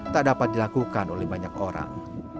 tak dapat dilakukan oleh banyak orang